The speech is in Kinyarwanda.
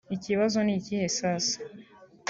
Ikibazo nikihe sasa